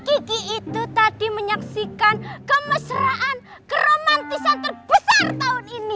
kiki itu tadi menyaksikan kemesraan keromantisan terbesar tahun ini